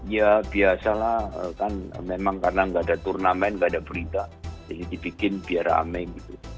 ya biasalah kan memang karena enggak ada turnamen enggak ada berita yang dibikin biar ame gitu